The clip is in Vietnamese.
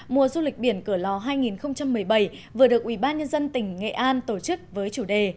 mùa du lịch biển cửa lò hai nghìn một mươi bảy vừa được ủy ban nhân dân tỉnh nghệ an tổ chức với chủ đề